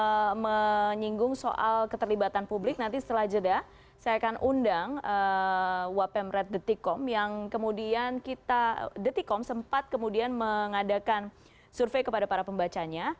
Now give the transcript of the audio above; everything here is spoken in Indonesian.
saya menyinggung soal keterlibatan publik nanti setelah jeda saya akan undang wapemret detikom yang kemudian kita detikom sempat kemudian mengadakan survei kepada para pembacanya